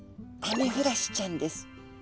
アメフラシちゃん？